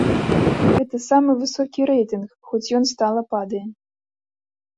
Гэта самы высокі рэйтынг, хоць ён стала падае.